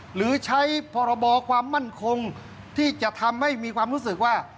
หรือใช้พรบความมั่นคงที่จะทำให้มีความรู้สึกว่า